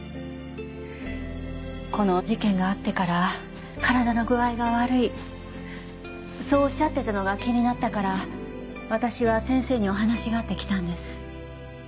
この事件があってから体の具合が悪いそうおっしゃってたのが気になったから私は先生にお話があって来たんです。